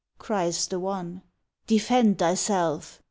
cries the one: "Defend thyself!